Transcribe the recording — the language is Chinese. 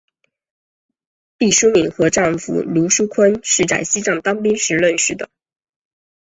毕淑敏和丈夫芦书坤是在西藏当兵时认识的。